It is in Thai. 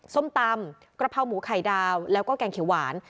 ส้มตำกระเพราหมูไข่ดาวแล้วก็แกงเขียวหวาน